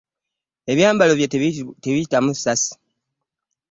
Ebyambalo bye tebiyitamu ssasi.